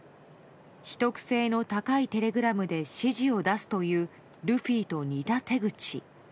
秘匿性の高いテレグラムで指示を出すというルフィと似た手口。